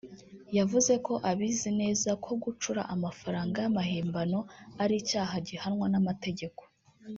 yavuze ko abizi neza ko gucura amafaranga y’amahimbano ari icyaha gihanwa n’amategeko